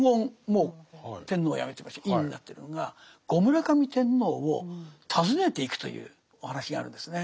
もう天皇をやめてまして院になってるのが後村上天皇を訪ねていくというお話があるんですね。